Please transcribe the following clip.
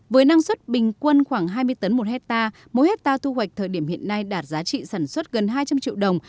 với năng suất bình quân khoảng hai mươi tấn một hectare mỗi hectare thu hoạch thời điểm hiện nay đạt giá trị sản xuất gần hai trăm linh triệu đồng